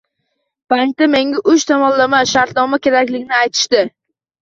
Bankda menga uch tomonlama shartnoma kerakligini aytishdi